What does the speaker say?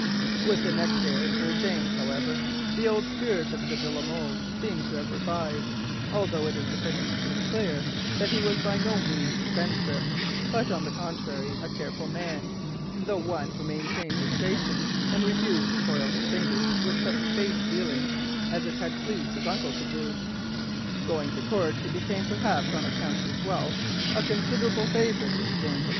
"With the next heir, Sir James, however, the old spirit of the de la Molles seems to have revived, although it is sufficiently clear that he was by no means a spendthrift, but on the contrary, a careful man, though one who maintained his station and refused to soil his fingers with such base dealing as it had pleased his uncle to do. Going to court, he became, perhaps on account of his wealth, a considerable favourite with James I.